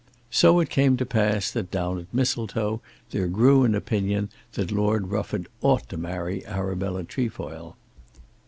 So it came to pass that down at Mistletoe there grew an opinion that Lord Rufford ought to marry Arabella Trefoil.